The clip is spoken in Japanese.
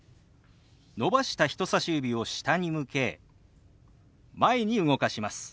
伸ばした人さし指を下に向け前に動かします。